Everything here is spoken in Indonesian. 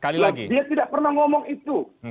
dia tidak pernah ngomong itu